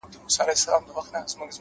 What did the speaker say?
لوړ لید واټنونه کوچني کوي’